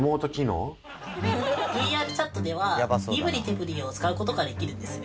ＶＲＣｈａｔでは身振り手振りを使う事ができるんですね。